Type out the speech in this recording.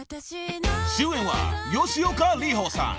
［主演は吉岡里帆さん］